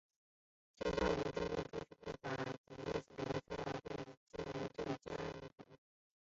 现效力于中国足球甲级联赛球队浙江毅腾。